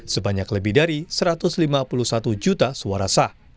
sebanyak lebih dari satu ratus lima puluh satu juta suara sah